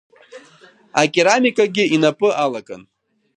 Акерамикагьы инапы алакын.